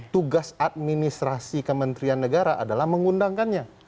tugas administrasi kementerian negara adalah mengundangkannya